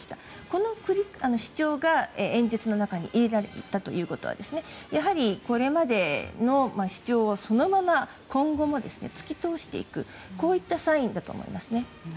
この主張が演説の中に入れられていたということはやはりこれまでの主張をそのまま今後も突き通していくといったサインだと思います。